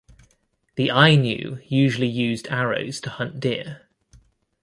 The Ainu usually used arrows to hunt deer.